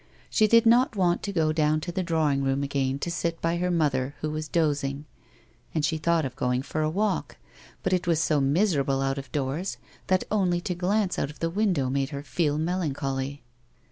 She did not want to go down to the dr:\wing room again to sit by her mother who was dozing, and she thought of going for a walk, but it was so miserable out of doors that only to glance out of the window made her feel melancholy.